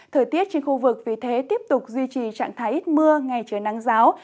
thời tiết trên khu vực vì thế tiếp tục duy trì trạng thái ít mưa ngày trời nắng giáo